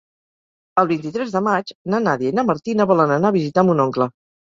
El vint-i-tres de maig na Nàdia i na Martina volen anar a visitar mon oncle.